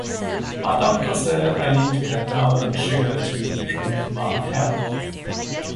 My doctor said I need to cut down on sugar to improve my health.